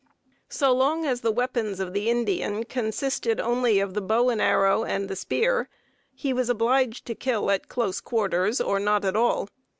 So long as the weapons of the Indian consisted only of the bow and arrow and the spear, he was obliged to kill at close quarters or not at all.